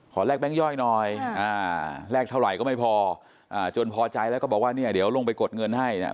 แลกแบงค์ย่อยหน่อยแลกเท่าไหร่ก็ไม่พอจนพอใจแล้วก็บอกว่าเนี่ยเดี๋ยวลงไปกดเงินให้เนี่ย